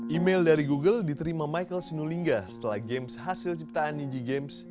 email dari google diterima michael sinulinga setelah games hasil ciptaan niji games